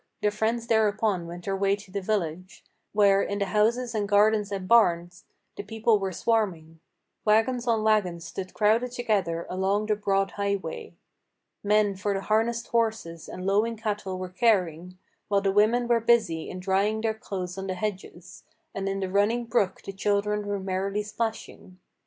The friends thereupon went their way to the village, Where, in the houses and gardens and barns, the people were swarming; Wagons on wagons stood crowded together along the broad highway. Men for the harnessed horses and lowing cattle were caring, While the women were busy in drying their clothes on the hedges, And in the running brook the children were merrily splashing.